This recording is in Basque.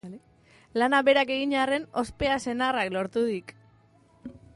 Lana berak egin arren, ospea senarrak lortu dik!